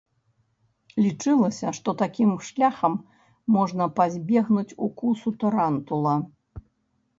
Лічылася, што такім шляхам можна пазбегнуць укусу тарантула.